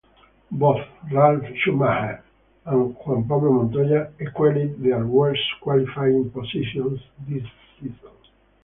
Both Ralf Schumacher and Juan Pablo Montoya equalled their worst qualifying positions this season.